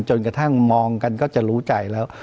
จนกระทั่งมองกันก็จะรู้ใจแล้ว